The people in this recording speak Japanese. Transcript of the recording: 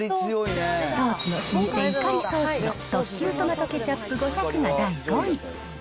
ソースの老舗、イカリソースの特級トマトケチャップ５００が第５位。